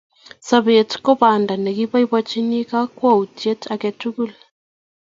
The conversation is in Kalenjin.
Sobet ko banda ngeboibochi kakwautiet age tugul